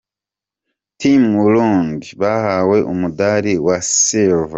Team Burundi bahawe Umudali wa Silver .